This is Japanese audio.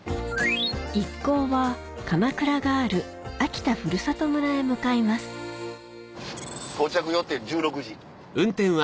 一行はかまくらがある秋田ふるさと村へ向かいます到着予定１６時。